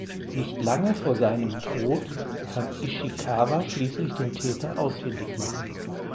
Nicht lange vor seinem Tod kann Ishikawa schließlich den Täter ausfindig machen.